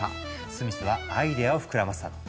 スミスはアイデアを膨らませたの。